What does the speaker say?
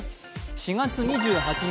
４月２８日